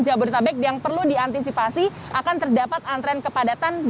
jabodetabek yang perlu diantisipasi akan terdapat antren kepadatan jauh jauh